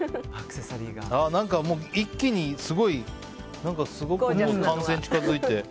一気にすごく完成に近づいて。